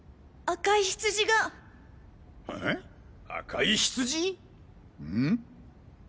赤いヒツジ？ん！？